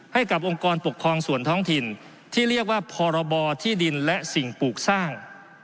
ให้กับองค์กรปกครองส่วนท้องถิ่นที่เรียกว่าพรบที่ดินและสิ่งปลูกสร้าง